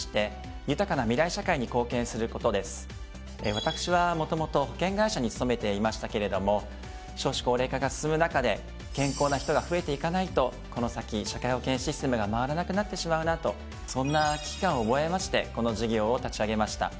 私はもともと保険会社に勤めていましたけれども少子高齢化が進む中で健康な人が増えていかないとこの先社会保険システムが回らなくなってしまうなとそんな危機感を覚えましてこの事業を立ち上げました。